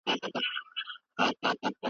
يو لوستونکی انسان تل د حل لاري لټوي.